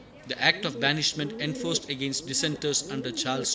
The act of banishment enforced against dissenters under Charles II.